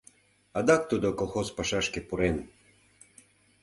Адак тудо колхоз пашашке пурен.